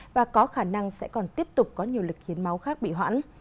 và có khả năng sẽ còn tiếp tục có nhiều lịch khiến máu khác bị hoãn